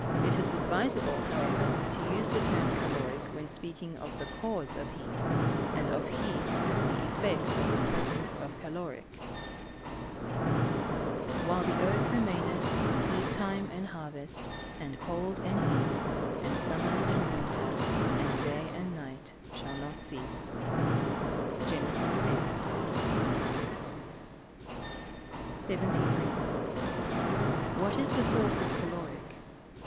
It is advisable, however, to use the term caloric when speaking of the cause of heat, and of heat as the effect of the presence of caloric. [Verse: "While the earth remaineth, seed time and harvest, and cold and heat, and summer and winter, and day and night, shall not cease." GEN. VIII.] 73. _What is the source of caloric?